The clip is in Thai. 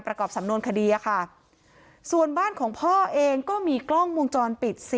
ประกอบสำนวนคดีอะค่ะส่วนบ้านของพ่อเองก็มีกล้องวงจรปิด